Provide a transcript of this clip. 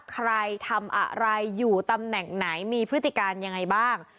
ใครทำอะไรอยู่ตำแหน่งไหนมีพฤติการยังไงบ้าง